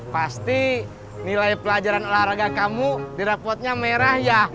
pasti nilai pelajaran olahraga kamu di rapotnya merah ya